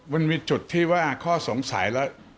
มันมีจุดที่ว่าข้อสงสัยแล้ว